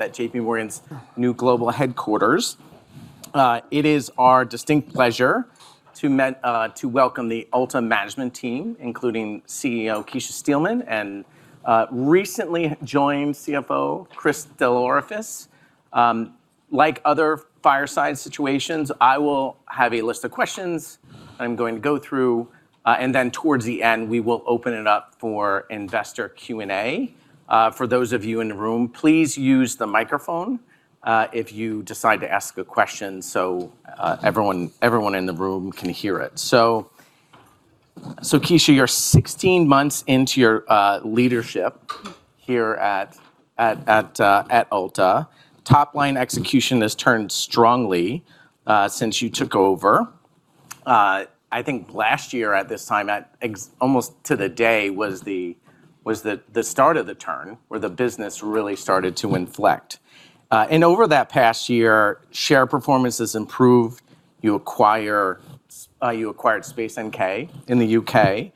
At JPMorgan's new global headquarters, it is our distinct pleasure to welcome the Ulta management team, including CEO Kecia Steelman, and recently joined CFO, Chris DelOrefice. Like other fireside situations, I will have a list of questions that I'm going to go through, and then towards the end, we will open it up for investor Q&A. For those of you in the room, please use the microphone if you decide to ask a question so everyone in the room can hear it. Kecia, you're 16 months into your leadership here at Ulta. Top-line execution has turned strongly since you took over. I think last year at this time, almost to the day, was the start of the turn, where the business really started to inflect. Over that past year, share performance has improved. You acquired Space NK in the U.K.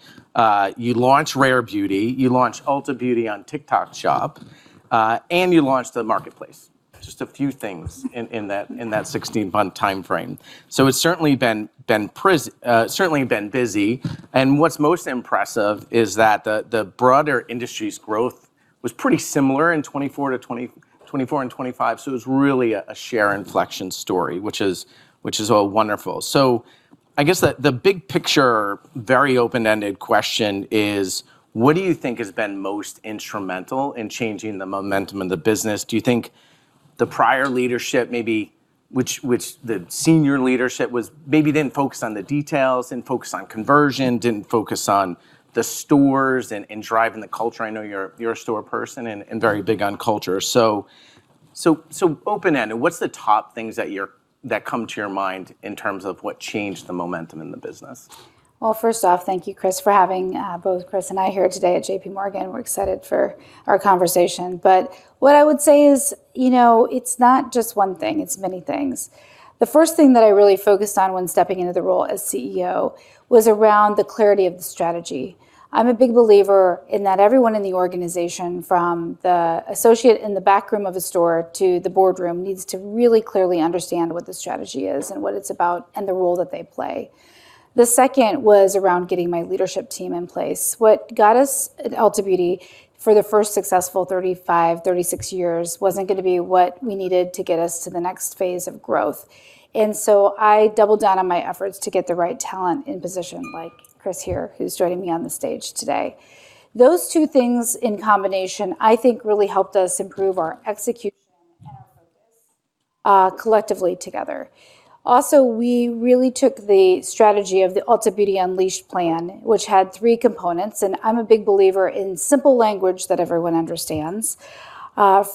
You launched Rare Beauty. You launched Ulta Beauty on TikTok Shop. You launched the marketplace. Just a few things in that 16-month timeframe. It's certainly been busy. What's most impressive is that the broader industry's growth was pretty similar in 2024 and 2025, so it was really a share inflection story, which is all wonderful. I guess the big picture, very open-ended question is what do you think has been most instrumental in changing the momentum in the business? Do you think the prior leadership maybe, which the senior leadership maybe didn't focus on the details, didn't focus on conversion, didn't focus on the stores and driving the culture? I know you're a store person and very big on culture. Open-ended. What's the top things that come to your mind in terms of what changed the momentum in the business? Well, first off, thank you, Chris, for having both Chris and I here today at JPMorgan. We're excited for our conversation. What I would say is, it's not just one thing, it's many things. The first thing that I really focused on when stepping into the role as CEO was around the clarity of the strategy. I'm a big believer in that everyone in the organization, from the associate in the backroom of a store to the boardroom, needs to really clearly understand what the strategy is and what it's about, and the role that they play. The second was around getting my leadership team in place. What got us at Ulta Beauty for the first successful 35, 36 years wasn't going to be what we needed to get us to the next phase of growth. I doubled down on my efforts to get the right talent in position, like Chris here, who's joining me on the stage today. Those two things in combination, I think, really helped us improve our execution and our focus, collectively together. Also, we really took the strategy of the Ulta Beauty Unleashed plan, which had three components, and I'm a big believer in simple language that everyone understands.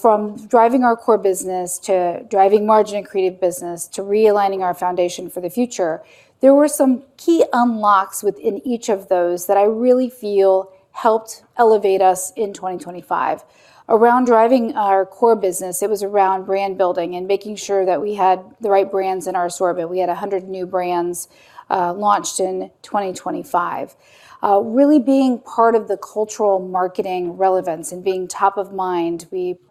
From driving our core business to driving margin and creative business, to realigning our foundation for the future. There were some key unlocks within each of those that I really feel helped elevate us in 2025. Around driving our core business, it was around brand building and making sure that we had the right brands in our store. We had 100 new brands launched in 2025, really being part of the cultural marketing relevance and being top of mind. We partnered with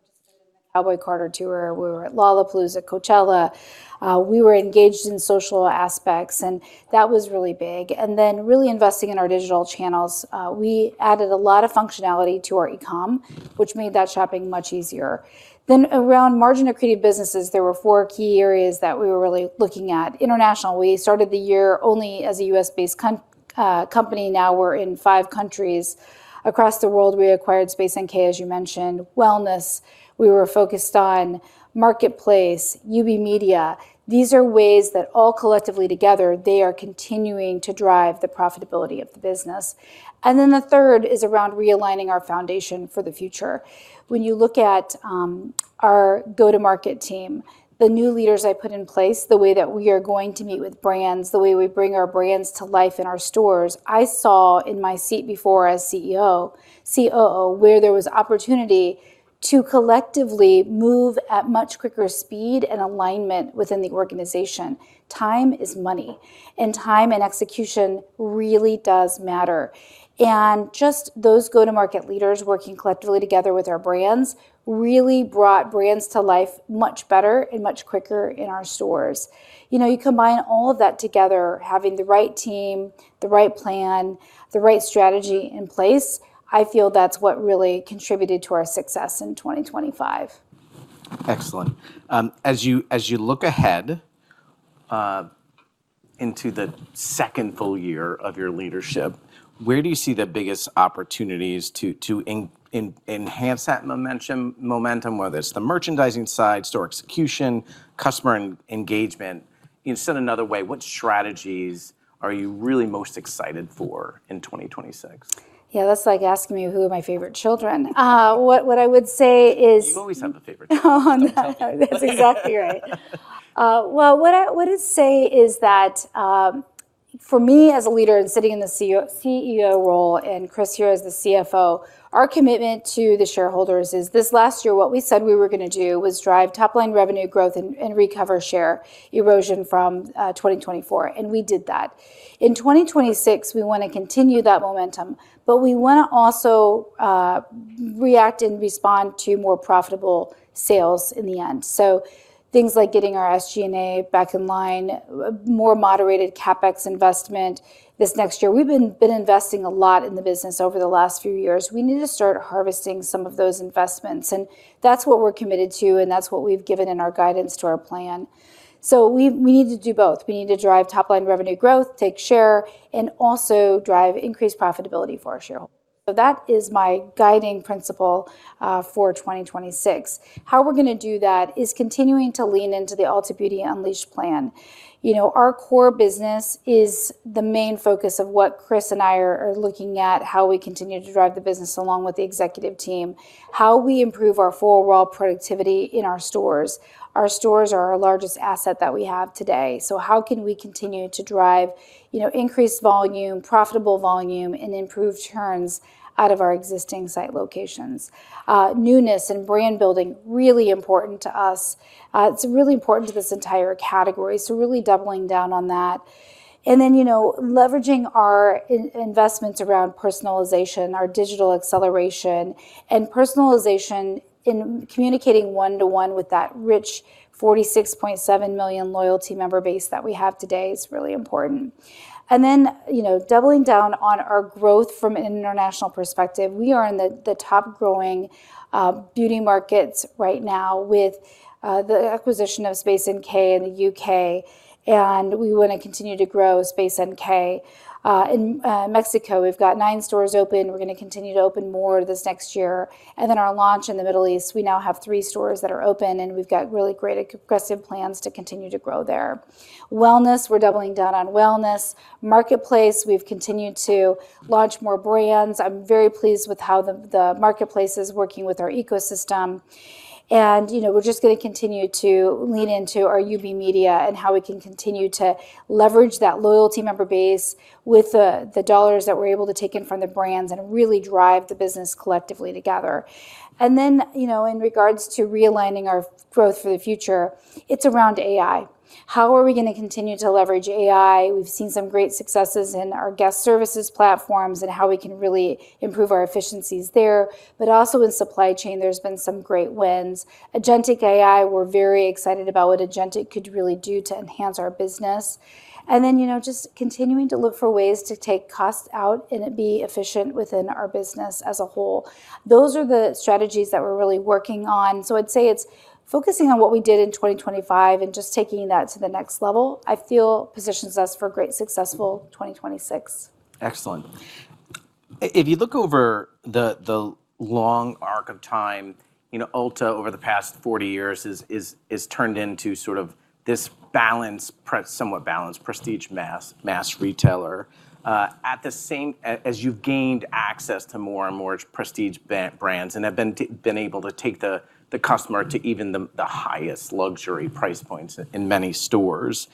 Cowboy Carter Tour. We were at Lollapalooza, Coachella. We were engaged in social aspects, and that was really big. Really investing in our digital channels. We added a lot of functionality to our e-com, which made that shopping much easier. Around margin accretive businesses, there were four key areas that we were really looking at. International. We started the year only as a U.S.-based company. Now we're in five countries across the world. We acquired Space NK, as you mentioned. Wellness. We were focused on marketplace, UB Media. These are ways that all collectively together, they are continuing to drive the profitability of the business. The third is around realigning our foundation for the future. When you look at our go-to-market team, the new leaders I put in place, the way that we are going to meet with brands, the way we bring our brands to life in our stores. I saw in my seat before as CEO, COO, where there was opportunity to collectively move at much quicker speed and alignment within the organization. Time is money, and time and execution really does matter. Just those go-to-market leaders working collectively together with our brands really brought brands to life much better and much quicker in our stores. You combine all of that together, having the right team, the right plan, the right strategy in place. I feel that's what really contributed to our success in 2025. Excellent. As you look ahead into the second full year of your leadership, where do you see the biggest opportunities to enhance that momentum, whether it's the merchandising side, store execution, customer engagement? Said another way, what strategies are you really most excited for in 2026? Yeah, that's like asking me who are my favorite children. What I would say is- You always have a favorite child. Oh, no. That's exactly right. Well, what I would say is that, for me as a leader and sitting in the CEO role, and Chris here as the CFO, our commitment to the shareholders is this last year, what we said we were going to do was drive top-line revenue growth and recover share erosion from 2024, and we did that. In 2026, we want to continue that momentum, but we want to also react and respond to more profitable sales in the end. Things like getting our SG&A back in line, more moderated CapEx investment this next year. We've been investing a lot in the business over the last few years. We need to start harvesting some of those investments, and that's what we're committed to, and that's what we've given in our guidance to our plan. We need to do both. We need to drive top-line revenue growth, take share, and also drive increased profitability for our shareholders. That is my guiding principle for 2026. How we're going to do that is continuing to lean into the Ulta Beauty Unleashed plan. Our core business is the main focus of what Chris and I are looking at, how we continue to drive the business along with the executive team, how we improve our overall productivity in our stores. Our stores are our largest asset that we have today. How can we continue to drive increased volume, profitable volume, and improve turns out of our existing store locations? Newness and brand building, really important to us. It's really important to this entire category, so really doubling down on that. Leveraging our investments around personalization, our digital acceleration, and personalization in communicating one-to-one with that rich 46.7 million loyalty member base that we have today is really important. Doubling down on our growth from an international perspective, we are in the top growing beauty markets right now with the acquisition of Space NK in the U.K., and we want to continue to grow Space NK. In Mexico, we've got nine stores open. We're going to continue to open more this next year. Our launch in the Middle East, we now have three stores that are open, and we've got really great aggressive plans to continue to grow there. Wellness, we're doubling down on wellness. Marketplace, we've continued to launch more brands. I'm very pleased with how the marketplace is working with our ecosystem. We're just going to continue to lean into our UB Media and how we can continue to leverage that loyalty member base with the dollars that we're able to take in from the brands and really drive the business collectively together. In regards to realigning our growth for the future, it's around AI. How are we going to continue to leverage AI? We've seen some great successes in our guest services platforms and how we can really improve our efficiencies there. Also in supply chain, there's been some great wins. Agentic AI, we're very excited about what agentic could really do to enhance our business. Just continuing to look for ways to take costs out and be efficient within our business as a whole. Those are the strategies that we're really working on. I'd say it's focusing on what we did in 2025 and just taking that to the next level, I feel positions us for a great, successful 2026. Excellent. If you look over the long arc of time, Ulta over the past 40 years has turned into sort of this somewhat balanced prestige mass retailer. As you've gained access to more and more prestige brands and have been able to take the customer to even the highest luxury price points in many stores.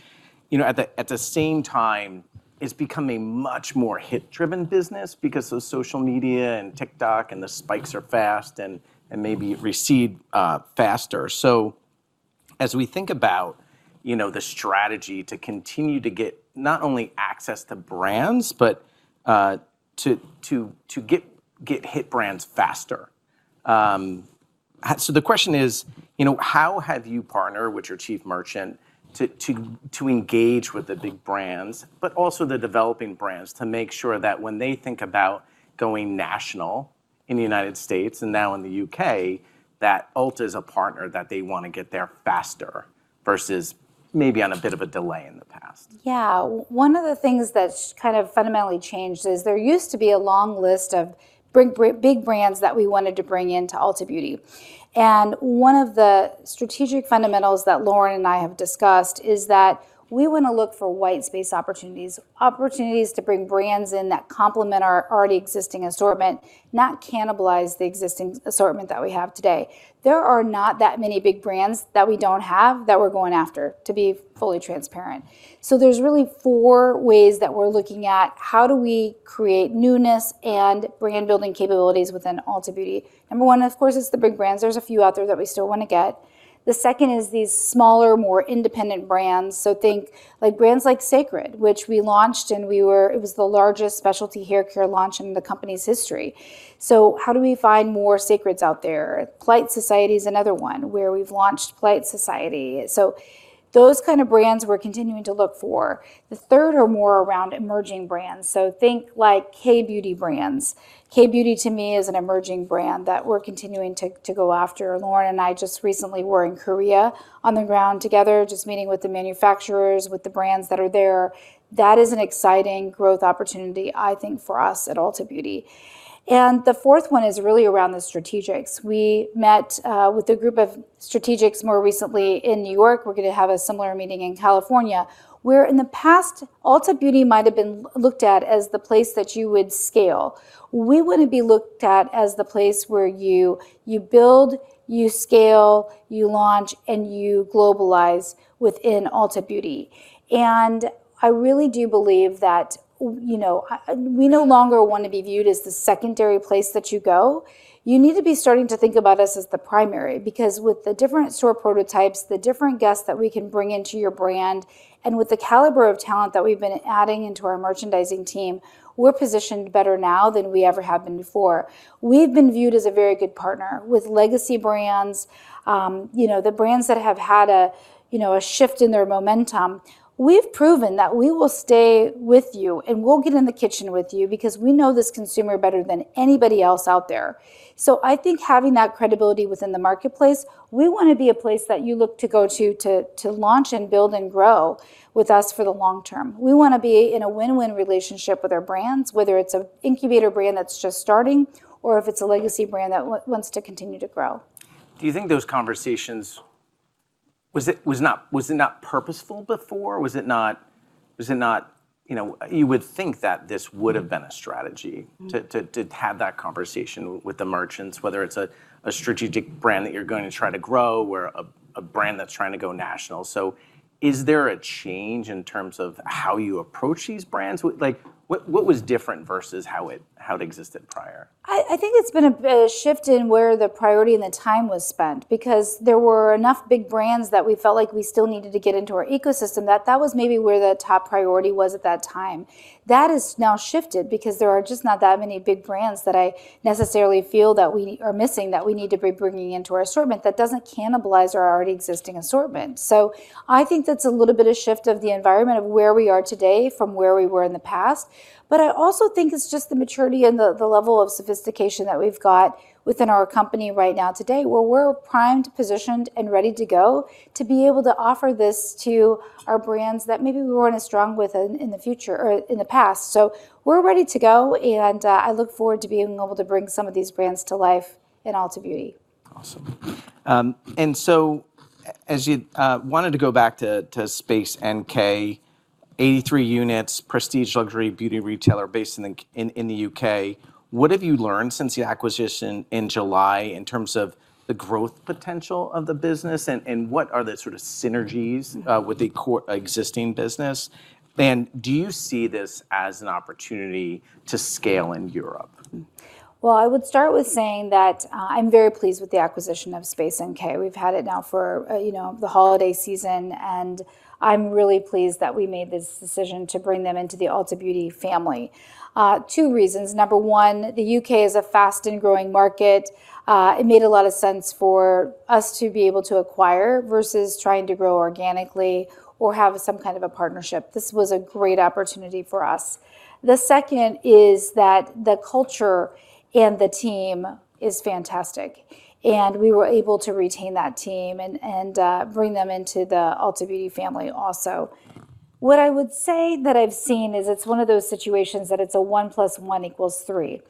At the same time, it's become a much more hit-driven business because of social media and TikTok, and the spikes are fast and maybe recede faster. As we think about the strategy to continue to get not only access to brands, but to get hit brands faster. The question is, how have you partnered with your chief merchant to engage with the big brands, but also the developing brands, to make sure that when they think about going national in the United States and now in the U.K., that Ulta is a partner that they want to get there faster versus maybe on a bit of a delay in the past? Yeah. One of the things that's kind of fundamentally changed is there used to be a long list of big brands that we wanted to bring into Ulta Beauty. One of the strategic fundamentals that Lauren and I have discussed is that we want to look for white space opportunities. Opportunities to bring brands in that complement our already existing assortment, not cannibalize the existing assortment that we have today. There are not that many big brands that we don't have that we're going after, to be fully transparent. There's really four ways that we're looking at how do we create newness and brand building capabilities within Ulta Beauty. Number one, of course, is the big brands. There's a few out there that we still want to get. The second is these smaller, more independent brands. Think brands like CÉCRED, which we launched, and it was the largest specialty haircare launch in the company's history. How do we find more CÉCREDs out there? Polite Society is another one, where we've launched Polite Society. Those kind of brands we're continuing to look for. The third are more around emerging brands. Think like K-beauty brands. K-beauty, to me, is an emerging brand that we're continuing to go after. Lauren and I just recently were in Korea on the ground together, just meeting with the manufacturers, with the brands that are there. That is an exciting growth opportunity, I think, for us at Ulta Beauty. The fourth one is really around the strategics. We met with a group of strategics more recently in New York. We're going to have a similar meeting in California. Where in the past, Ulta Beauty might have been looked at as the place that you would scale, we want to be looked at as the place where you build, you scale, you launch, and you globalize within Ulta Beauty. I really do believe that we no longer want to be viewed as the secondary place that you go. You need to be starting to think about us as the primary, because with the different store prototypes, the different guests that we can bring into your brand, and with the caliber of talent that we've been adding into our merchandising team, we're positioned better now than we ever have been before. We've been viewed as a very good partner with legacy brands, the brands that have had a shift in their momentum. We've proven that we will stay with you, and we'll get in the kitchen with you because we know this consumer better than anybody else out there. I think having that credibility within the marketplace, we want to be a place that you look to go to launch and build and grow with us for the long term. We want to be in a win-win relationship with our brands, whether it's an incubator brand that's just starting or if it's a legacy brand that wants to continue to grow. Do you think those conversations? Was it not purposeful before? You would think that this would have been a strategy to have that conversation with the merchants, whether it's a strategic brand that you're going to try to grow or a brand that's trying to go national. Is there a change in terms of how you approach these brands? What was different versus how it existed prior? I think it's been a shift in where the priority and the time was spent, because there were enough big brands that we felt like we still needed to get into our ecosystem, that was maybe where the top priority was at that time. That has now shifted because there are just not that many big brands that I necessarily feel that we are missing, that we need to be bringing into our assortment that doesn't cannibalize our already existing assortment. I think that's a little bit of shift of the environment of where we are today from where we were in the past. I also think it's just the maturity and the level of sophistication that we've got within our company right now today, where we're primed, positioned, and ready to go to be able to offer this to our brands that maybe we weren't as strong with in the past. We're ready to go, and I look forward to being able to bring some of these brands to life in Ulta Beauty. Awesome. I wanted to go back to Space NK. 83 units, prestige luxury beauty retailer based in the U.K. What have you learned since the acquisition in July in terms of the growth potential of the business and what are the sort of synergies with the existing business? Do you see this as an opportunity to scale in Europe? Well, I would start with saying that I'm very pleased with the acquisition of Space NK. We've had it now for the holiday season, and I'm really pleased that we made this decision to bring them into the Ulta Beauty family. Two reasons. Number one, the U.K. is a fast and growing market. It made a lot of sense for us to be able to acquire versus trying to grow organically or have some kind of a partnership. This was a great opportunity for us. The second is that the culture and the team is fantastic, and we were able to retain that team and bring them into the Ulta Beauty family also. What I would say that I've seen is it's one of those situations that it's a one plus one equals three.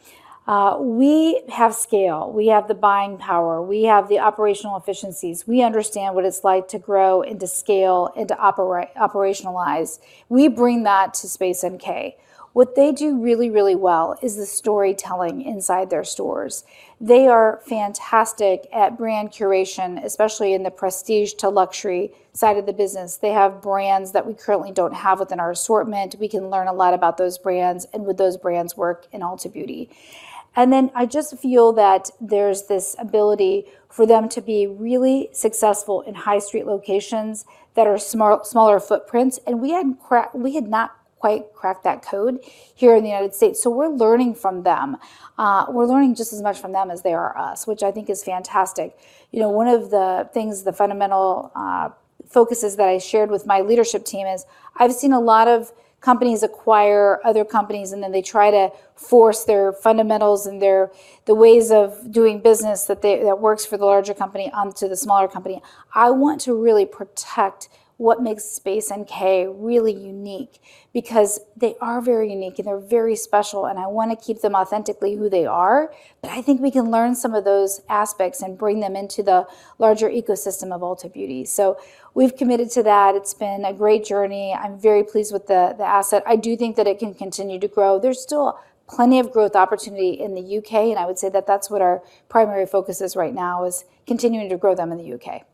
We have scale. We have the buying power. We have the operational efficiencies. We understand what it's like to grow and to scale and to operationalize. We bring that to Space NK. What they do really, really well is the storytelling inside their stores. They are fantastic at brand curation, especially in the prestige to luxury side of the business. They have brands that we currently don't have within our assortment. We can learn a lot about those brands and would those brands work in Ulta Beauty. I just feel that there's this ability for them to be really successful in high-street locations that are smaller footprints, and we had not quite cracked that code here in the United States. We're learning from them. We're learning just as much from them as they are us, which I think is fantastic. One of the things, the fundamental focuses that I shared with my leadership team is I've seen a lot of companies acquire other companies, and then they try to force their fundamentals and the ways of doing business that works for the larger company onto the smaller company. I want to really protect what makes Space NK really unique, because they are very unique, and they're very special, and I want to keep them authentically who they are. I think we can learn some of those aspects and bring them into the larger ecosystem of Ulta Beauty. We've committed to that. It's been a great journey. I'm very pleased with the asset. I do think that it can continue to grow. There's still plenty of growth opportunity in the U.K., and I would say that that's what our primary focus is right now, is continuing to grow them in the U.K.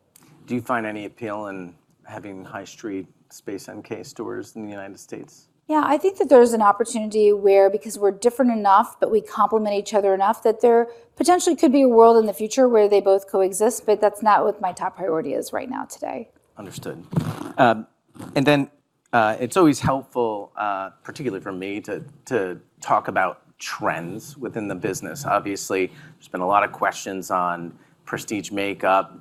Do you find any appeal in having high street Space NK stores in the United States? Yeah, I think that there's an opportunity where because we're different enough, but we complement each other enough, that there potentially could be a world in the future where they both coexist, but that's not what my top priority is right now today. Understood. Then, it's always helpful, particularly for me, to talk about trends within the business. Obviously, there's been a lot of questions on prestige makeup,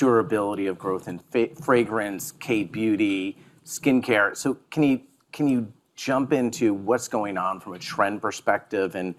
durability of growth in fragrance, K-beauty, skincare. Can you jump into what's going on from a trend perspective and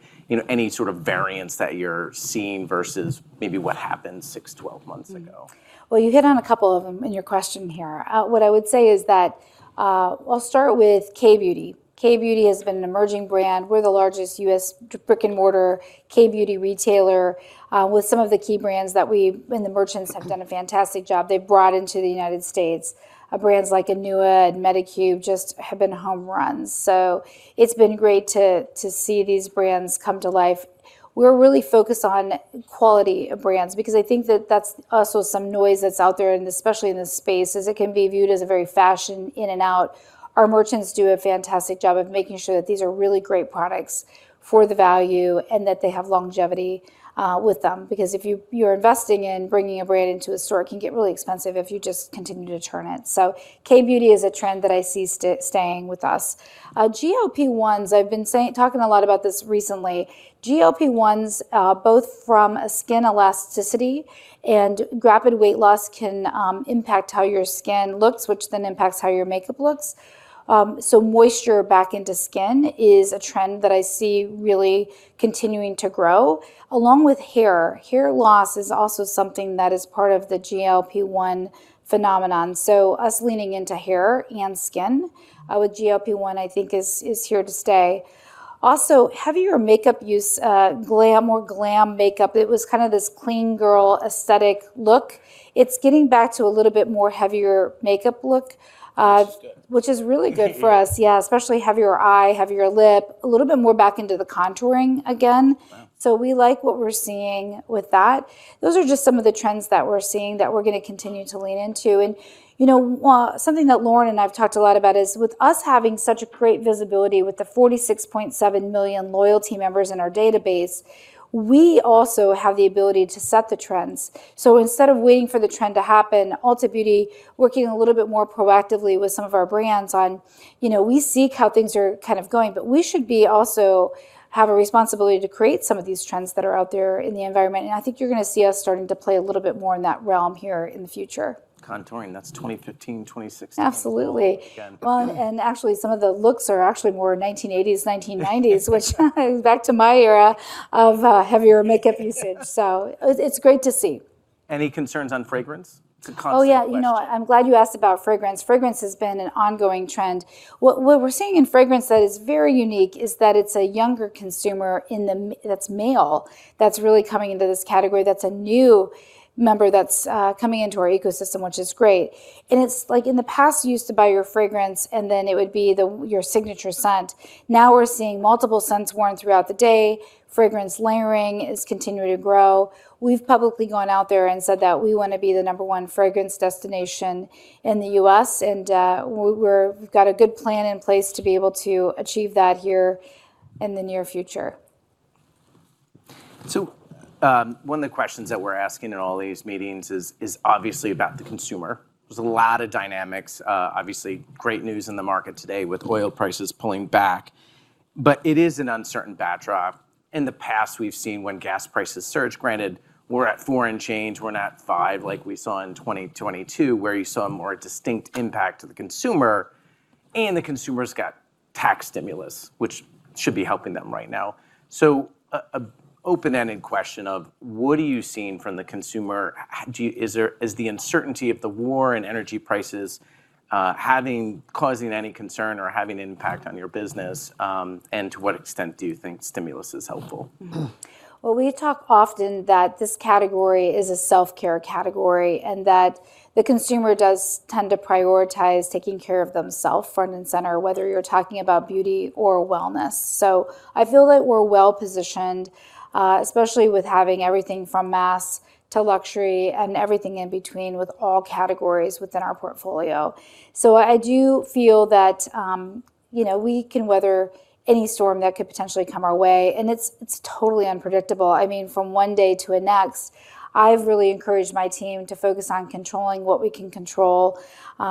any sort of variance that you're seeing versus maybe what happened six, 12 months ago? Well, you hit on a couple of them in your question here. What I would say is that, I'll start with K-beauty. K-beauty has been an emerging brand. We're the largest U.S. brick-and-mortar K-beauty retailer, with some of the key brands that we and the merchants have done a fantastic job. They've brought into the United States. Brands like Anua and Medicube just have been home runs. So it's been great to see these brands come to life. We're really focused on quality of brands because I think that that's also some noise that's out there, and especially in this space, as it can be viewed as a very fashion in and out. Our merchants do a fantastic job of making sure that these are really great products for the value and that they have longevity with them. Because if you're investing in bringing a brand into a store, it can get really expensive if you just continue to turn it. K-beauty is a trend that I see staying with us. GLP-1s, I've been talking a lot about this recently. GLP-1s both from skin elasticity and rapid weight loss can impact how your skin looks, which then impacts how your makeup looks. Moisture back into skin is a trend that I see really continuing to grow, along with hair. Hair loss is also something that is part of the GLP-1 phenomenon. Us leaning into hair and skin with GLP-1, I think is here to stay. Also, heavier makeup use, glam or glam makeup. It was kind of this clean girl aesthetic look. It's getting back to a little bit more heavier makeup look. Which is good. Which is really good for us, yeah, especially heavier eye, heavier lip, a little bit more back into the contouring again. Wow. We like what we're seeing with that. Those are just some of the trends that we're seeing that we're going to continue to lean into. Something that Lauren and I have talked a lot about is with us having such a great visibility with the 46.7 million loyalty members in our database, we also have the ability to set the trends. Instead of waiting for the trend to happen, Ulta Beauty working a little bit more proactively with some of our brands on, we see how things are kind of going, but we should also have a responsibility to create some of these trends that are out there in the environment. I think you're going to see us starting to play a little bit more in that realm here in the future. Contouring, that's 2015, 2016. Absolutely. Again. Actually, some of the looks are actually more 1980s, 1990s, which goes back to my era of heavier makeup usage, so it's great to see. Any concerns on fragrance? It's a constant question. Oh, yeah. I'm glad you asked about fragrance. Fragrance has been an ongoing trend. What we're seeing in fragrance that is very unique is that it's a younger consumer that's male, that's really coming into this category, that's a new member that's coming into our ecosystem, which is great. It's like in the past, you used to buy your fragrance, and then it would be your signature scent. Now we're seeing multiple scents worn throughout the day. Fragrance layering is continuing to grow. We've publicly gone out there and said that we want to be the number one fragrance destination in the U.S., and we've got a good plan in place to be able to achieve that here in the near future. One of the questions that we're asking in all these meetings is obviously about the consumer. There's a lot of dynamics. Obviously, great news in the market today with oil prices pulling back. It is an uncertain backdrop. In the past, we've seen when gas prices surge, granted, we're at $4 and change, we're not $5 like we saw in 2022, where you saw a more distinct impact to the consumer, and the consumers got tax stimulus, which should be helping them right now. An open-ended question of what are you seeing from the consumer? Is the uncertainty of the war and energy prices causing any concern or having an impact on your business? To what extent do you think stimulus is helpful? Well, we talk often that this category is a self-care category, and that the consumer does tend to prioritize taking care of themself front and center, whether you're talking about beauty or wellness. I feel that we're well-positioned, especially with having everything from mass to luxury and everything in between with all categories within our portfolio. I do feel that we can weather any storm that could potentially come our way. It's totally unpredictable. From one day to the next, I've really encouraged my team to focus on controlling what we can control,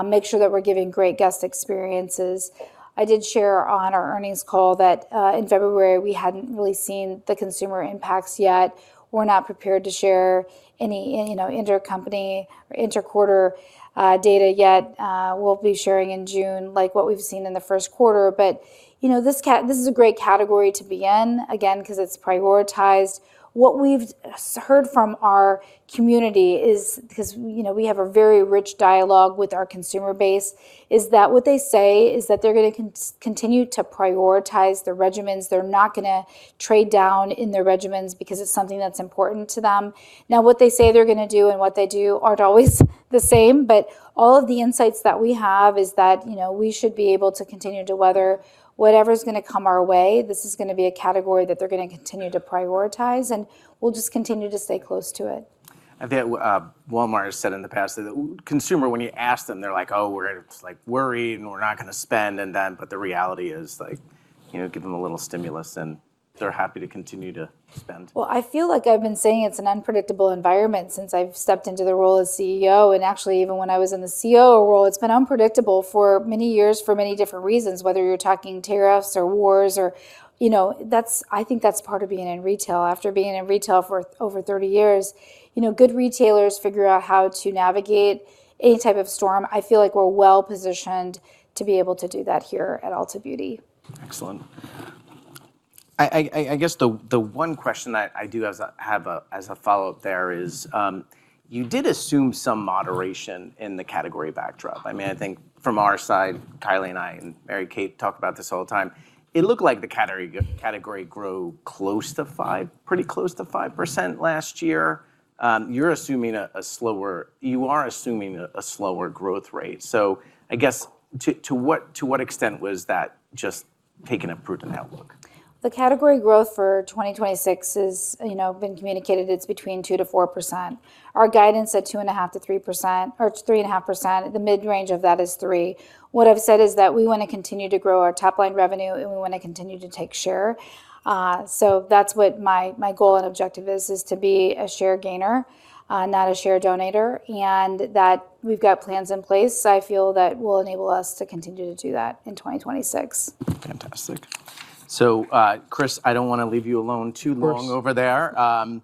make sure that we're giving great guest experiences. I did share on our earnings call that, in February, we hadn't really seen the consumer impacts yet. We're not prepared to share any inter-company or inter-quarter data yet. We'll be sharing in June, like what we've seen in the first quarter. This is a great category to be in, again, because it's prioritized. What we've heard from our community is, because we have a very rich dialogue with our consumer base, is that what they say is that they're going to continue to prioritize their regimens. They're not going to trade down in their regimens because it's something that's important to them. Now, what they say they're going to do and what they do aren't always the same, but all of the insights that we have is that we should be able to continue to weather whatever's going to come our way. This is going to be a category that they're going to continue to prioritize, and we'll just continue to stay close to it. I think Walmart has said in the past that consumer, when you ask them, they're like, "Oh, we're worried, and we're not going to spend." The reality is give them a little stimulus, and they're happy to continue to spend. Well, I feel like I've been saying it's an unpredictable environment since I've stepped into the role as CEO, and actually even when I was in the COO role, it's been unpredictable for many years for many different reasons, whether you're talking tariffs or wars. I think that's part of being in retail. After being in retail for over 30 years, good retailers figure out how to navigate any type of storm. I feel like we're well-positioned to be able to do that here at Ulta Beauty. Excellent. I guess the one question that I do have as a follow-up there is, you did assume some moderation in the category backdrop. I think from our side, Kylie and I, and Mary Kate talk about this all the time, it looked like the category grew pretty close to 5% last year. You are assuming a slower growth rate. I guess, to what extent was that just taking a prudent outlook? The category growth for 2026 has been communicated. It's between 2%-4%. Our guidance is at 2.5%-3% or 3.5%. The mid-range of that is 3%. What I've said is that we want to continue to grow our top-line revenue, and we want to continue to take share. That's what my goal and objective is to be a share gainer, not a share donator, and that we've got plans in place I feel that will enable us to continue to do that in 2026. Fantastic. Chris, I don't want to leave you alone too long over there. Of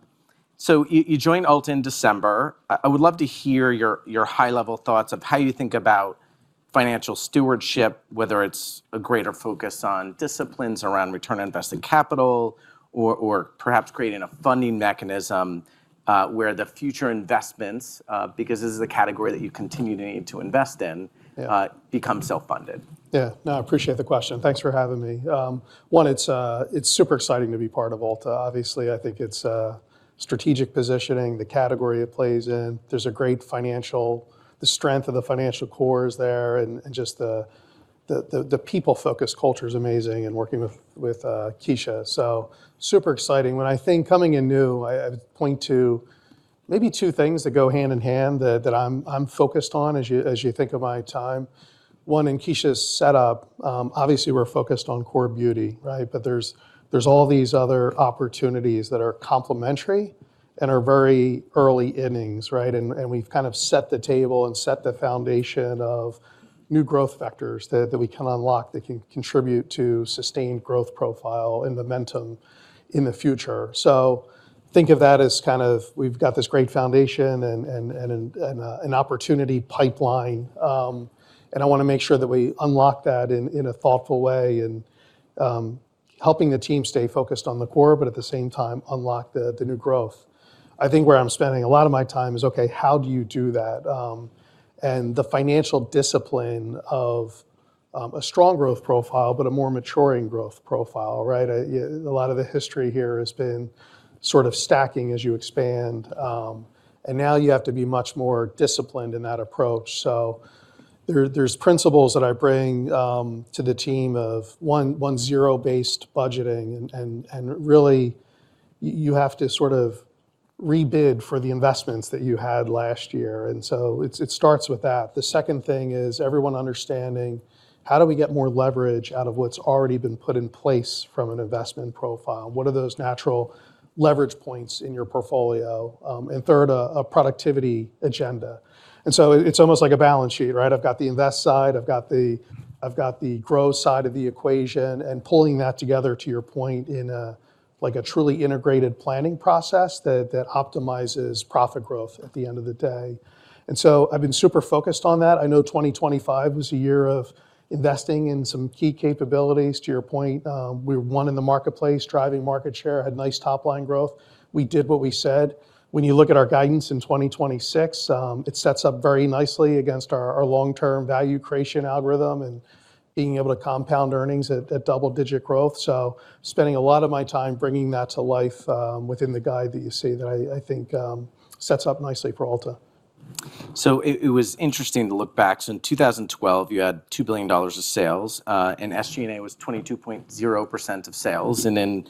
course. You joined Ulta in December. I would love to hear your high-level thoughts of how you think about financial stewardship, whether it's a greater focus on disciplines around return on invested capital or perhaps creating a funding mechanism, where the future investments, because this is a category that you continue to need to invest in. Yeah become self-funded. Yeah. No, I appreciate the question. Thanks for having me. One, it's super exciting to be part of Ulta. Obviously, I think it's strategic positioning, the category it plays in. The strength of the financial core is there, and just the people-focused culture is amazing and working with Kecia. Super exciting. When I think coming in new, I would point to maybe two things that go hand in hand that I'm focused on as you think of my time. One, in Kecia's setup, obviously, we're focused on core beauty, right? There's all these other opportunities that are complementary and are very early innings, right? We've kind of set the table and set the foundation of new growth vectors that we can unlock that can contribute to sustained growth profile and momentum in the future. Think of that as kind of, we've got this great foundation and an opportunity pipeline. I want to make sure that we unlock that in a thoughtful way and helping the team stay focused on the core, but at the same time unlock the new growth. I think where I'm spending a lot of my time is, okay, how do you do that? The financial discipline of a strong growth profile, but a more maturing growth profile, right? A lot of the history here has been sort of stacking as you expand. Now you have to be much more disciplined in that approach. There's principles that I bring to the team of, one, zero-based budgeting, and really, you have to sort of rebid for the investments that you had last year. It starts with that. The second thing is everyone understanding how do we get more leverage out of what's already been put in place from an investment profile? What are those natural leverage points in your portfolio? Third, a productivity agenda. It's almost like a balance sheet, right? I've got the invest side, I've got the grow side of the equation, and pulling that together to your point in a truly integrated planning process that optimizes profit growth at the end of the day. I've been super focused on that. I know 2025 was a year of investing in some key capabilities. To your point, we won in the marketplace, driving market share, had nice top-line growth. We did what we said. When you look at our guidance in 2026, it sets up very nicely against our long-term value creation algorithm and being able to compound earnings at double-digit growth. Spending a lot of my time bringing that to life within the guide that you see, that I think sets up nicely for Ulta. It was interesting to look back. In 2012, you had $2 billion of sales, and SG&A was 22.0% of sales. In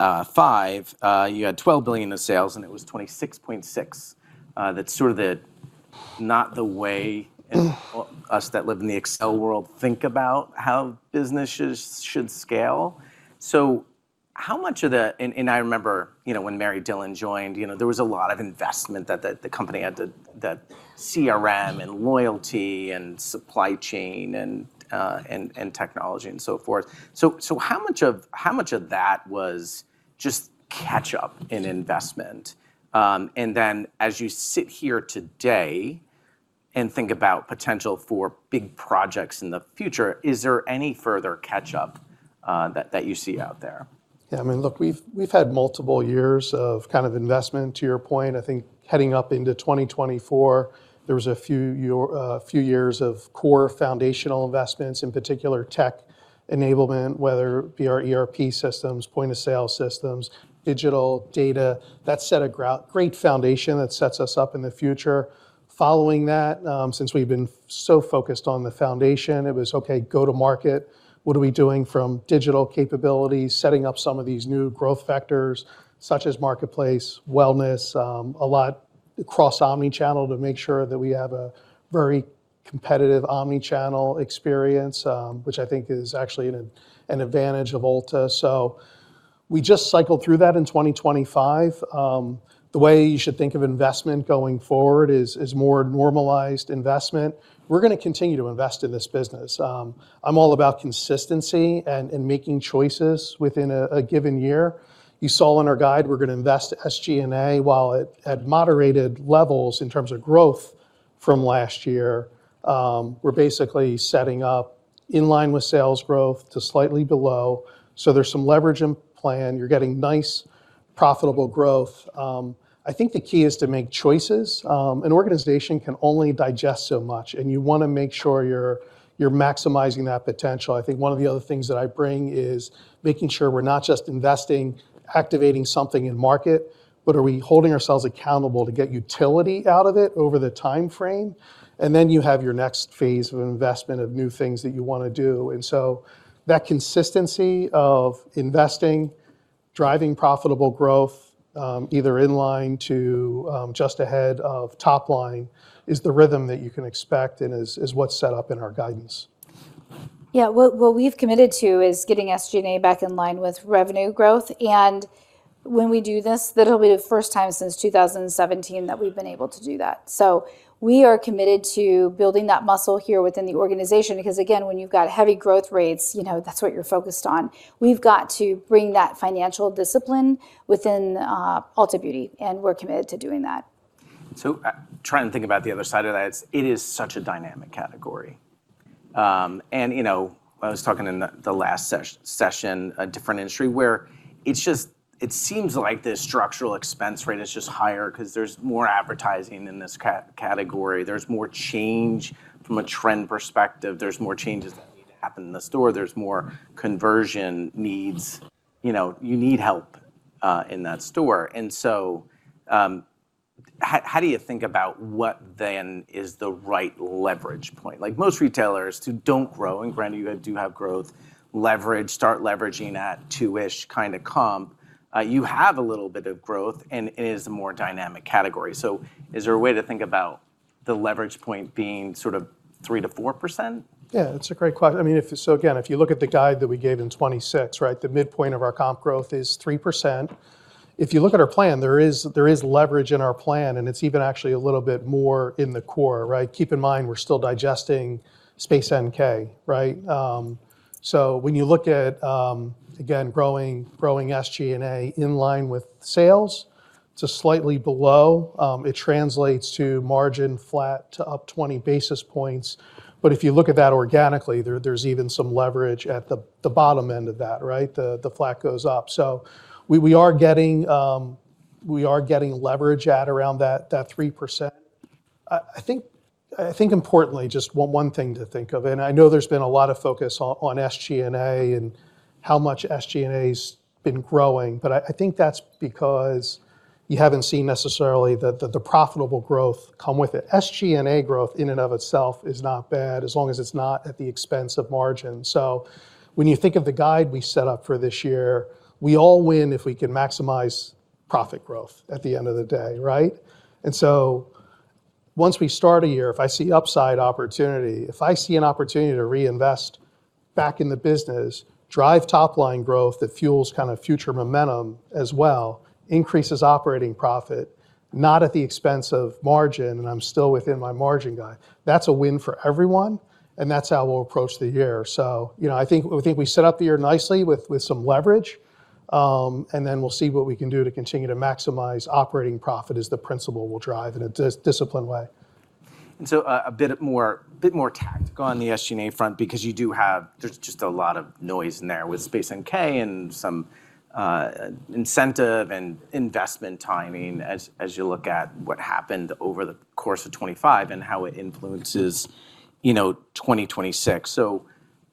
2025, you had $12 billion of sales, and it was 26.6%. That's sort of not the way us that live in the Excel world think about how businesses should scale. I remember, when Mary Dillon joined, there was a lot of investment that the company had, the CRM and loyalty and supply chain and technology and so forth. How much of that was just catch-up in investment? Then as you sit here today and think about potential for big projects in the future, is there any further catch-up that you see out there? Yeah, look, we've had multiple years of investment to your point. I think heading up into 2024, there was a few years of core foundational investments, in particular, tech enablement, whether it be our ERP systems, point-of-sale systems, digital data. That set a great foundation that sets us up in the future. Following that, since we've been so focused on the foundation, it was, okay, go to market. What are we doing from digital capabilities, setting up some of these new growth vectors, such as marketplace, wellness, a lot cross omnichannel to make sure that we have a very competitive omnichannel experience, which I think is actually an advantage of Ulta. We just cycled through that in 2025. The way you should think of investment going forward is more normalized investment. We're going to continue to invest in this business. I'm all about consistency and making choices within a given year. You saw in our guide we're going to invest SG&A while at moderated levels in terms of growth from last year. We're basically setting up in line with sales growth to slightly below, so there's some leverage in plan. You're getting nice profitable growth. I think the key is to make choices. An organization can only digest so much, and you want to make sure you're maximizing that potential. I think one of the other things that I bring is making sure we're not just investing, activating something in market, but are we holding ourselves accountable to get utility out of it over the timeframe? Then you have your next phase of investment of new things that you want to do. That consistency of investing, driving profitable growth, either in line to just ahead of top line is the rhythm that you can expect and is what's set up in our guidance. Yeah. What we've committed to is getting SG&A back in line with revenue growth. When we do this, that'll be the first time since 2017 that we've been able to do that. We are committed to building that muscle here within the organization, because, again, when you've got heavy growth rates, that's what you're focused on. We've got to bring that financial discipline within Ulta Beauty, and we're committed to doing that. Trying to think about the other side of that, it is such a dynamic category. I was talking in the last session, a different industry where it seems like the structural expense rate is just higher because there's more advertising in this category. There's more change from a trend perspective. There's more changes that need to happen in the store. There's more conversion needs. You need help in that store. How do you think about what then is the right leverage point? Like most retailers who don't grow, and granted you do have growth, leverage, start leveraging at 2%-ish kind of comp. You have a little bit of growth, and it is a more dynamic category. Is there a way to think about the leverage point being sort of 3%-4%? Yeah. That's a great question. Again, if you look at the guide that we gave in 2026, right, the midpoint of our comp growth is 3%. If you look at our plan, there is leverage in our plan, and it's even actually a little bit more in the core, right? Keep in mind, we're still digesting Space NK, right? When you look at, again, growing SG&A in line with sales to slightly below, it translates to margin flat to up 20 basis points. If you look at that organically, there's even some leverage at the bottom end of that, right? The flat goes up. We are getting leverage at around that 3%. I think importantly, just one thing to think of, and I know there's been a lot of focus on SG&A, and how much SG&A's been growing, but I think that's because you haven't seen necessarily the profitable growth come with it. SG&A growth in and of itself is not bad, as long as it's not at the expense of margin. When you think of the guide we set up for this year, we all win if we can maximize profit growth at the end of the day, right? Once we start a year, if I see upside opportunity, if I see an opportunity to reinvest back in the business, drive top-line growth that fuels future momentum as well, increases operating profit, not at the expense of margin, and I'm still within my margin guide. That's a win for everyone, and that's how we'll approach the year. I think we set up the year nicely with some leverage, and then we'll see what we can do to continue to maximize operating profit as the principle we'll drive in a disciplined way. A bit more tactical on the SG&A front because there's just a lot of noise in there with Space NK and some incentive and investment timing as you look at what happened over the course of 2025 and how it influences 2026.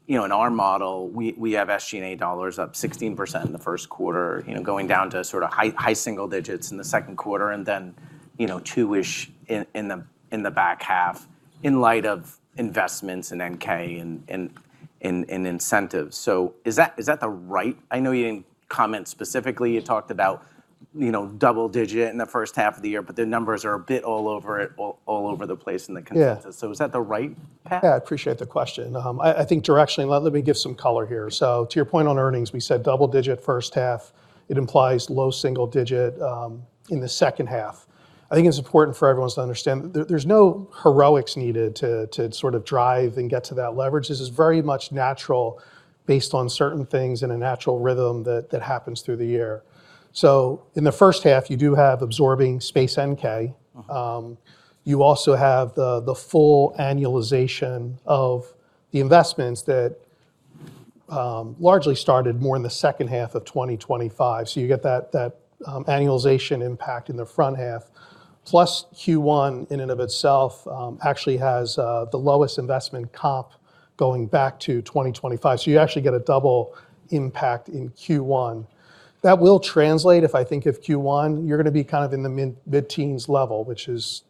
In our model, we have SG&A dollars up 16% in the first quarter, going down to high single digits in the second quarter, and then 2%-ish in the back half, in light of investments in NK and incentives. Is that the right? I know you didn't comment specifically. You talked about double-digit in the first half of the year, but the numbers are a bit all over the place in the consensus. Yeah. Is that the right path? Yeah, I appreciate the question. I think directionally, let me give some color here. To your point on earnings, we said double-digit first half. It implies low double-digit in the second half. I think it's important for everyone to understand that there's no heroics needed to drive and get to that leverage. This is very much natural based on certain things in a natural rhythm that happens through the year. In the first half, you do have absorbing Space NK. You also have the full annualization of the investments that largely started more in the second half of 2025. You get that annualization impact in the front half. Plus Q1 in and of itself actually has the lowest investment comp going back to 2025. You actually get a double impact in Q1. That will translate if I think of Q1, you're going to be in the mid-teens level, which is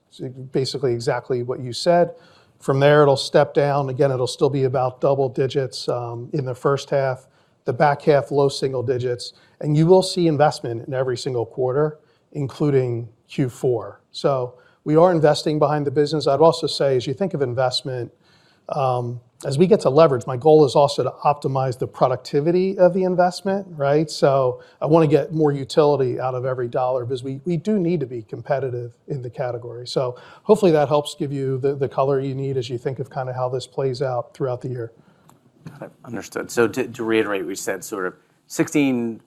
basically exactly what you said. From there, it'll step down again, it'll still be about double digits, in the first half, the back half, low single digits, and you will see investment in every single quarter, including Q4. We are investing behind the business. I'd also say as you think of investment, as we get to leverage, my goal is also to optimize the productivity of the investment, right? I want to get more utility out of every dollar because we do need to be competitive in the category. Hopefully that helps give you the color you need as you think of how this plays out throughout the year. Understood. To reiterate, we've said sort of 16,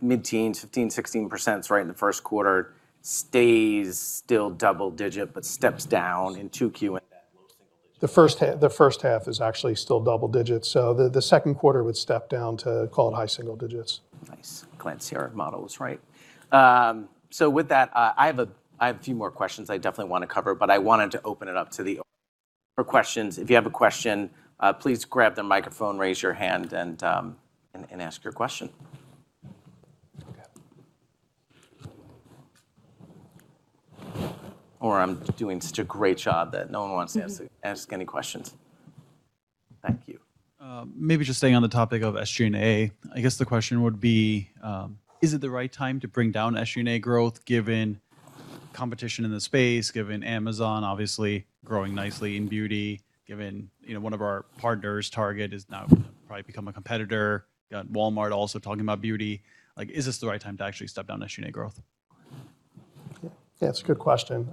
mid-teens, 15%-16% is right in the first quarter, stays still double-digit, but steps down in 2Q and that low single-digit- The first half is actually still double digits. The second quarter would step down to call it high single digits. Nice glance here at models, right? With that, I have a few more questions I definitely want to cover, but I wanted to open it up to the floor for questions. If you have a question, please grab the microphone, raise your hand, and ask your question. Okay. I'm doing such a great job that no one wants to. Yes Ask any questions. Thank you. Maybe just staying on the topic of SG&A, I guess the question would be, is it the right time to bring down SG&A growth given competition in the space, given Amazon obviously growing nicely in beauty, given one of our partners, Target, is now probably become a competitor, got Walmart also talking about beauty? Is this the right time to actually step down SG&A growth? Yeah, it's a good question.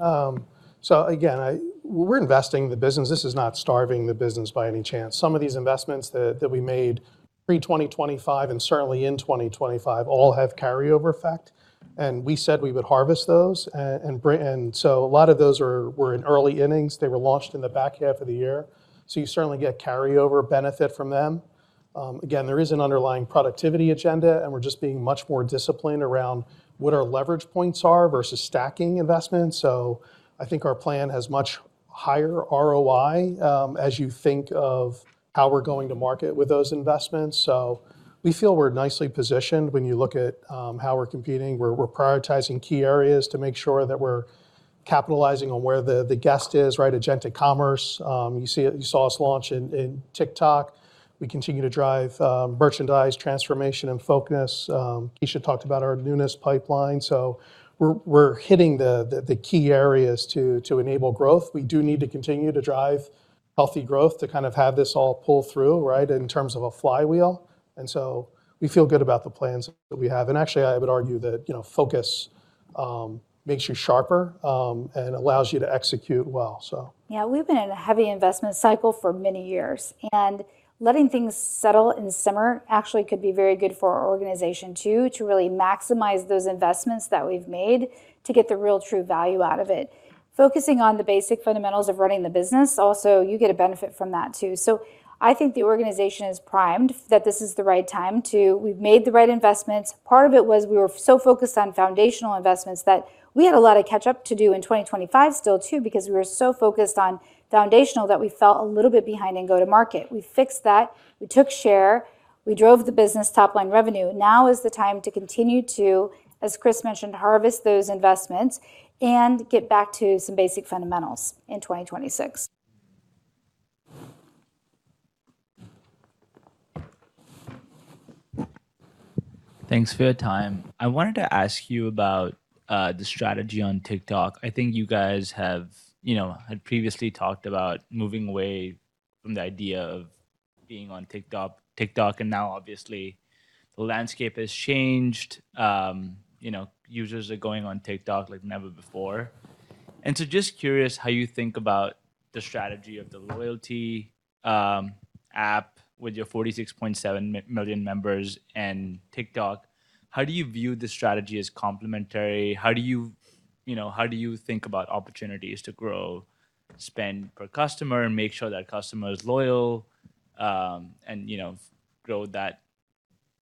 Again, we're investing in the business. This is not starving the business by any chance. Some of these investments that we made pre-2025, and certainly in 2025 all have carryover effect, and we said we would harvest those. A lot of those were in early innings. They were launched in the back half of the year. You certainly get carryover benefit from them. Again, there is an underlying productivity agenda, and we're just being much more disciplined around what our leverage points are versus stacking investments. I think our plan has much higher ROI, as you think of how we're going to market with those investments. We feel we're nicely positioned when you look at how we're competing. We're prioritizing key areas to make sure that we're capitalizing on where the guest is, right, agentic commerce. You saw us launch in TikTok. We continue to drive merchandise transformation and focus. Kecia talked about our newness pipeline. We're hitting the key areas to enable growth. We do need to continue to drive healthy growth to have this all pull through, right, in terms of a flywheel. We feel good about the plans that we have. Actually, I would argue that focus Makes you sharper and allows you to execute well. Yeah, we've been in a heavy investment cycle for many years, and letting things settle and simmer actually could be very good for our organization, too, to really maximize those investments that we've made to get the real true value out of it. Focusing on the basic fundamentals of running the business, also, you get a benefit from that, too. I think the organization is primed that this is the right time. We've made the right investments. Part of it was we were so focused on foundational investments that we had a lot of catch up to do in 2025 still, too, because we were so focused on foundational that we fell a little bit behind in go-to-market. We fixed that. We took share. We drove the business top-line revenue. Now is the time to continue to, as Chris mentioned, harvest those investments and get back to some basic fundamentals in 2026. Thanks for your time. I wanted to ask you about the strategy on TikTok. I think you guys had previously talked about moving away from the idea of being on TikTok, and now obviously the landscape has changed. Users are going on TikTok like never before, and so just curious how you think about the strategy of the loyalty app with your 46.7 million members and TikTok. How do you view the strategy as complementary? How do you think about opportunities to grow spend per customer and make sure that customer is loyal, and grow that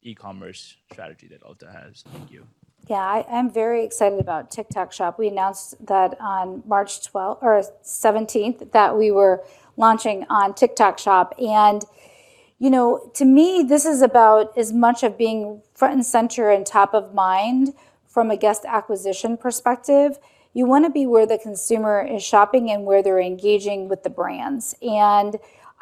e-commerce strategy that Ulta has? Thank you. Yeah, I'm very excited about TikTok Shop. We announced that on March 17th that we were launching on TikTok Shop, and to me, this is about as much of being front and center and top of mind from a guest acquisition perspective. You want to be where the consumer is shopping and where they're engaging with the brands.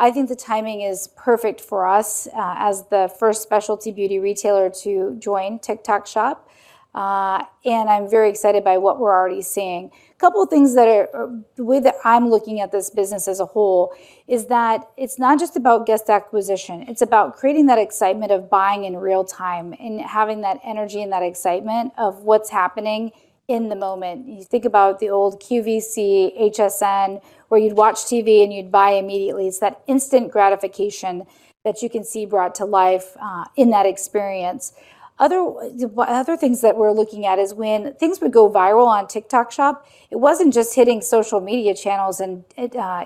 I think the timing is perfect for us as the first specialty beauty retailer to join TikTok Shop, and I'm very excited by what we're already seeing. A couple of things that the way that I'm looking at this business as a whole is that it's not just about guest acquisition. It's about creating that excitement of buying in real time and having that energy and that excitement of what's happening in the moment. You think about the old QVC, HSN, where you'd watch TV, and you'd buy immediately. It's that instant gratification that you can see brought to life in that experience. Other things that we're looking at is when things would go viral on TikTok Shop, it wasn't just hitting social media channels and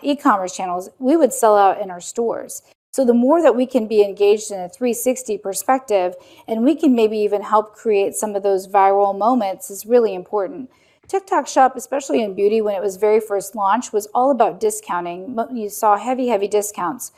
e-commerce channels. We would sell out in our stores. The more that we can be engaged in a 360 perspective, and we can maybe even help create some of those viral moments, is really important. TikTok Shop, especially in beauty, when it was very first launched, was all about discounting. You saw heavy discounts.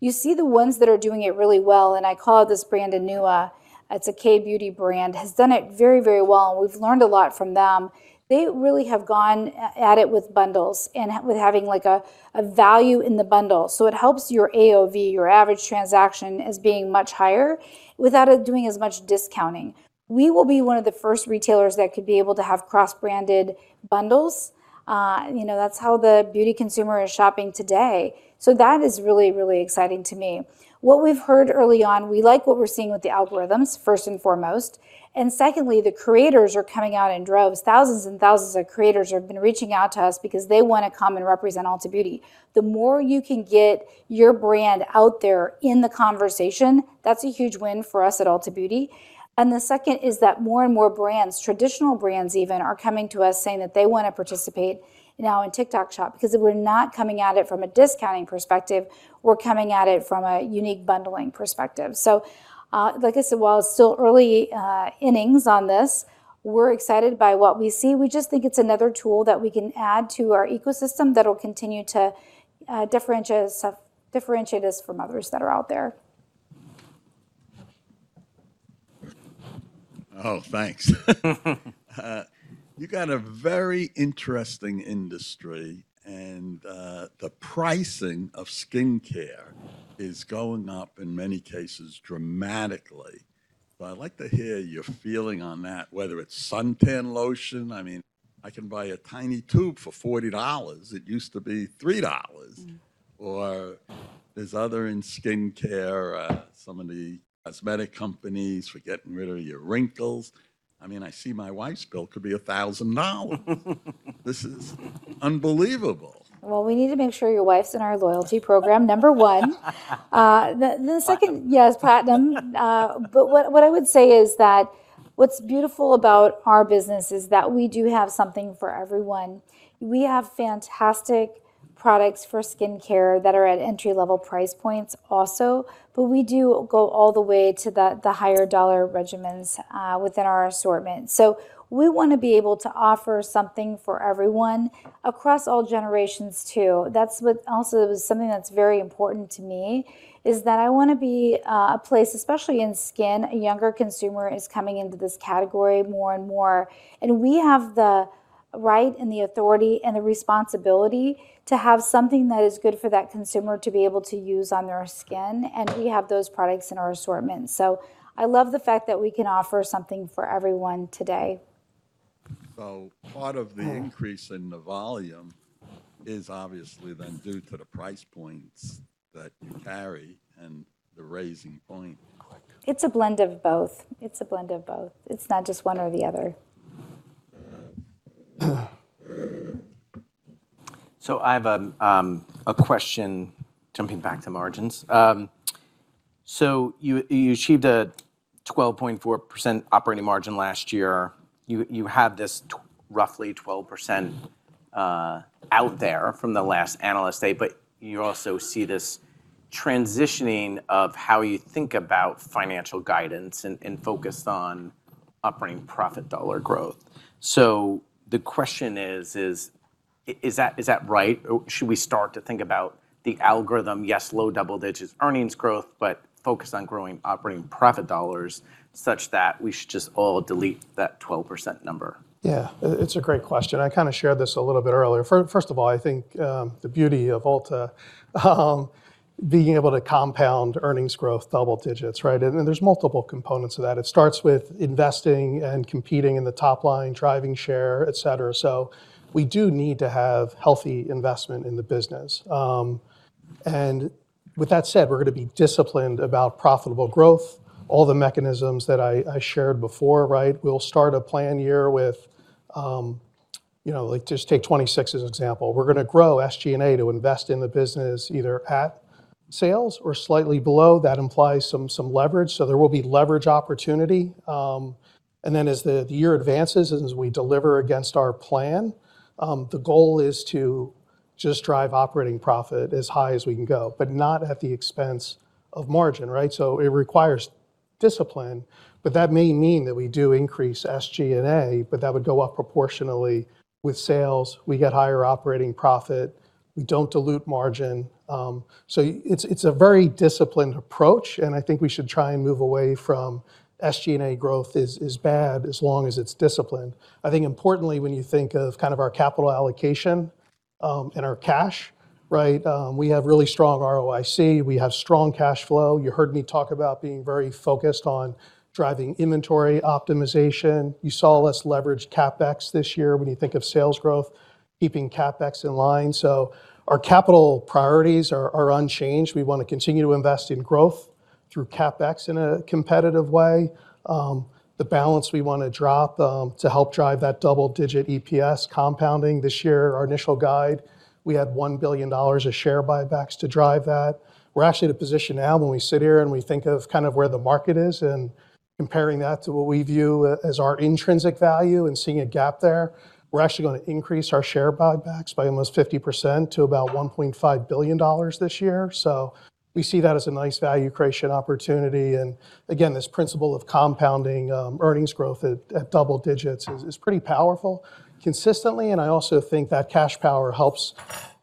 You see the ones that are doing it really well, and I call out this brand, Anua, it's a K-beauty brand, has done it very well, and we've learned a lot from them. They really have gone at it with bundles and with having a value in the bundle. It helps your AOV, your average transaction, as being much higher without it doing as much discounting. We will be one of the first retailers that could be able to have cross-branded bundles. That's how the beauty consumer is shopping today, so that is really exciting to me. What we've heard early on, we like what we're seeing with the algorithms, first and foremost. Secondly, the creators are coming out in droves. Thousands and thousands of creators have been reaching out to us because they want to come and represent Ulta Beauty. The more you can get your brand out there in the conversation, that's a huge win for us at Ulta Beauty. The second is that more and more brands, traditional brands even, are coming to us saying that they want to participate now in TikTok Shop because we're not coming at it from a discounting perspective. We're coming at it from a unique bundling perspective. Like I said, while it's still early innings on this, we're excited by what we see. We just think it's another tool that we can add to our ecosystem that will continue to differentiate us from others that are out there. Oh, thanks. You got a very interesting industry, and the pricing of skincare is going up, in many cases, dramatically. I'd like to hear your feeling on that, whether it's suntan lotion. I can buy a tiny tube for $40. It used to be $3. Mm-hmm. There's other in skincare, some of the cosmetic companies for getting rid of your wrinkles. I see my wife's bill could be $1,000. This is unbelievable. Well, we need to make sure your wife's in our loyalty program, number one. Platinum. Yes, platinum. What I would say is that what's beautiful about our business is that we do have something for everyone. We have fantastic products for skincare that are at entry-level price points also, but we do go all the way to the higher-dollar regimens within our assortment. We want to be able to offer something for everyone across all generations, too. That also is something that's very important to me, is that I want to be a place, especially in skin, a younger consumer is coming into this category more and more, and we have the right and the authority and the responsibility to have something that is good for that consumer to be able to use on their skin, and we have those products in our assortment. I love the fact that we can offer something for everyone today. Part of the increase in the volume is obviously then due to the price points that you carry and the raising point. It's a blend of both. It's not just one or the other. I have a question, jumping back to margins. You achieved a 12.4% operating margin last year. You have this roughly 12% out there from the last analyst day, but you also see this transitioning of how you think about financial guidance and focused on operating profit dollar growth. The question is that right? Should we start to think about the op margin? Yes, low double-digits earnings growth, but focused on growing operating profit dollars such that we should just all delete that 12% number. Yeah. It's a great question. I kind of shared this a little bit earlier. First of all, I think, the beauty of Ulta, being able to compound earnings growth double digits, right? There's multiple components of that. It starts with investing and competing in the top line, driving share, et cetera. We do need to have healthy investment in the business. With that said, we're going to be disciplined about profitable growth, all the mechanisms that I shared before, right? We'll start a plan year. Just take 2026 as an example. We're going to grow SG&A to invest in the business, either at sales or slightly below. That implies some leverage. There will be leverage opportunity. As the year advances and as we deliver against our plan, the goal is to just drive operating profit as high as we can go, but not at the expense of margin, right? It requires discipline, but that may mean that we do increase SG&A, but that would go up proportionally with sales. We get higher operating profit. We don't dilute margin. It's a very disciplined approach, and I think we should try and move away from SG&A growth is bad as long as it's disciplined. I think importantly, when you think of our capital allocation, and our cash, right? We have really strong ROIC. We have strong cash flow. You heard me talk about being very focused on driving inventory optimization. You saw less leverage CapEx this year when you think of sales growth, keeping CapEx in line. Our capital priorities are unchanged. We want to continue to invest in growth through CapEx in a competitive way. The balance we want to drop to help drive that double-digit EPS compounding. This year, our initial guide, we had $1 billion of share buybacks to drive that. We're actually in a position now when we sit here and we think of where the market is and comparing that to what we view as our intrinsic value and seeing a gap there, we're actually going to increase our share buybacks by almost 50% to about $1.5 billion this year. We see that as a nice value-creation opportunity. Again, this principle of compounding earnings growth at double digits is pretty powerful consistently, and I also think that cash power helps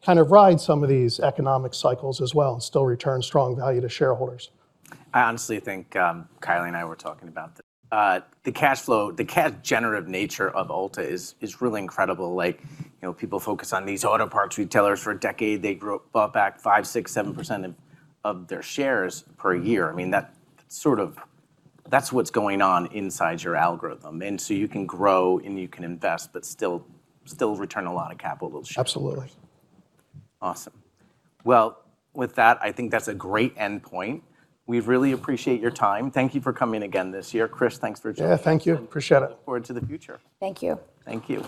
kind of ride some of these economic cycles as well and still return strong value to shareholders. I honestly think, Kylie and I were talking about this, the cash flow, the cash-generative nature of Ulta is really incredible. People focus on these auto parts retailers for a decade. They bought back 5%, 6%, 7% of their shares per year. I mean, that's what's going on inside your algorithm, and so you can grow and you can invest but still return a lot of capital to shareholders. Absolutely. Awesome. Well, with that, I think that's a great endpoint. We really appreciate your time. Thank you for coming again this year. Chris, thanks for joining us. Yeah, thank you. Appreciate it. Look forward to the future. Thank you. Thank you.